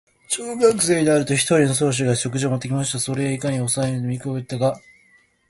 正午頃になると、一人の召使が、食事を持って来ました。それはいかにも、お百姓の食事らしく、肉をたっぶり盛った皿が、